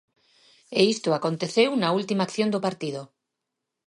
E isto aconteceu na última acción do partido.